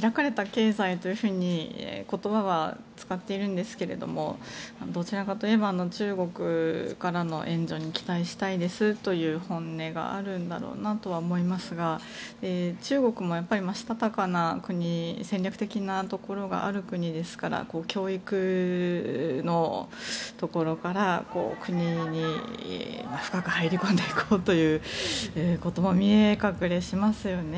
開かれた経済というふうに言葉は使っているんですがどちらかといえば中国からの援助に期待したいですという本音があるんだろうなとは思いますが中国もしたたかな国戦略的なところがある国ですから教育のところから国に深く入り込んでいこうということも見え隠れしますよね。